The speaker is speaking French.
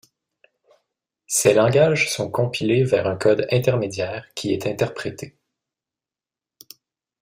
Ces langages sont compilés vers un code intermédiaire qui est interprété.